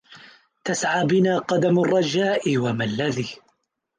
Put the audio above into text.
تسعى بنا قدم الرجاء وما الذي